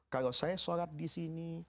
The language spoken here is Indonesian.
kalau saya sholat disini